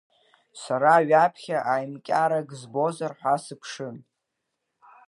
Сара ҩаԥхьа ааимҟьарак збозар ҳәа сыԥшын.